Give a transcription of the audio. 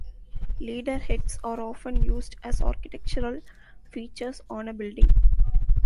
Leader heads are often used as architectural features on a building.